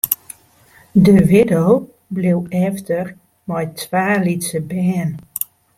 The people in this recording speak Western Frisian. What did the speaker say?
De widdo bleau efter mei twa lytse bern.